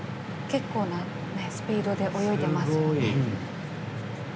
結構なスピードで泳いでいますよね。